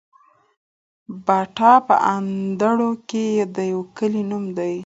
باټا په اندړو کي د يو کلي نوم دی